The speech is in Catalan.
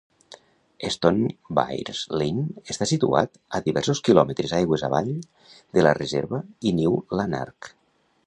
Stonebyres Linn està situat a diversos quilòmetres aigües avall de la reserva i New Lanark.